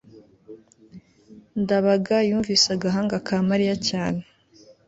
ndabaga yumvise agahanga ka mariya cyane